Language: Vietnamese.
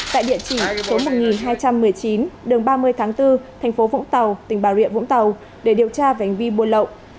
tại địa chỉ số một nghìn hai trăm một mươi chín đường ba mươi tháng bốn thành phố vũng tàu tỉnh bà rịa vũng tàu để điều tra về hành vi buôn lậu